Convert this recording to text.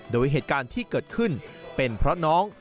โดยเหตุการณ์ที่เกิดขึ้นเป็นเพราะน้อง